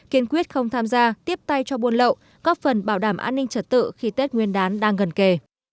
kiên quyết không tham gia tiếp tay cho buôn lậu góp phần bảo đảm an ninh trật tự khi tết nguyên đán đang gần kề